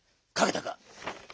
かけたか？